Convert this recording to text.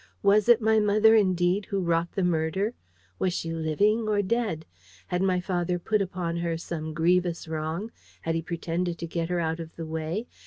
Was it my mother, indeed, who wrought the murder? Was she living or dead? Had my father put upon her some grievous wrong? Had he pretended to get her out of the way?